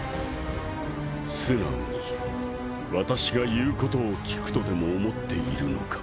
素直に私が言うことを聞くとでも思っているのか？